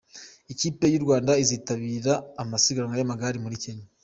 Ikipe y’u Rwanda izitabira amasiganwa y’amagare Muri Kenya